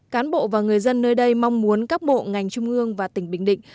cán bộ và người dân nơi đây mong muốn các bộ ngành trung ương và tỉnh bình định